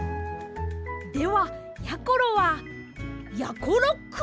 ではやころはやころっく！